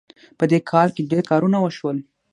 په دې کال کې ډېر کارونه وشول